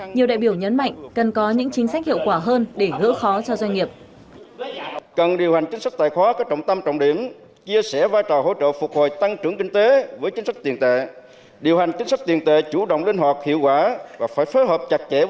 nhiều đại biểu nhấn mạnh cần có những chính sách hiệu quả hơn để hỗ trợ cho doanh nghiệp